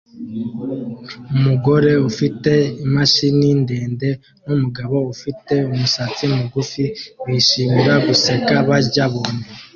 Umugore ufite imashini ndende numugabo ufite umusatsi mugufi bishimira guseka barya bombo